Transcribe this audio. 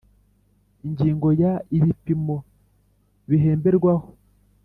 Ingingo ya Ibipimo bihemberwaho